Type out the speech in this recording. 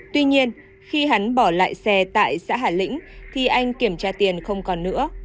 tuy nhiên khi hắn bỏ lại xe tại xã hà lĩnh thì anh kiểm tra tiền không còn nữa